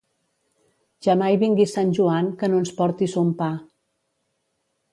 Jamai vingui Sant Joan que no ens porti son pa.